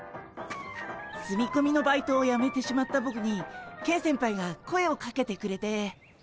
住みこみのバイトをやめてしまったボクにケン先輩が声をかけてくれて。